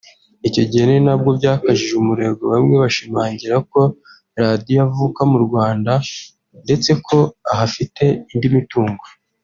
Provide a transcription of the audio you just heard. Icyo gihe ni nabwo byakajije umurego bamwe bashimangira ko ‘Radio avuka mu Rwanda’ ndetse ko ahafite indi mitungo